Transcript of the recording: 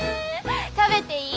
食べていい？